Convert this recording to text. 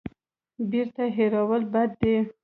بیرته هېرول بد دی.